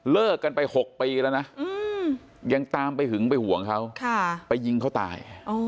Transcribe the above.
เลิกกันไป๖ปีแล้วนะยังตามไปหึงไปห่วงเขาไปยิงเขาตาย